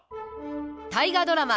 大河ドラマ